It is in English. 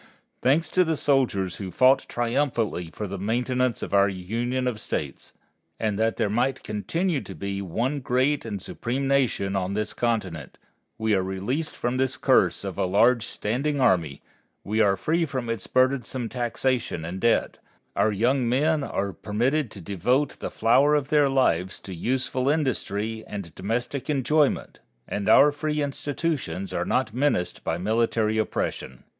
Thanks to the soldiers who fought triumphantly for the maintenance of our Union of States, and that there might continue to be one great and supreme nation on this continent, we are released from this curse of a large standing army, we are free from its burdensome taxation and debt, our young men are permitted to devote the flower of their lives to useful industry and domestic enjoyment, and our free institutions are not menaced by military oppression.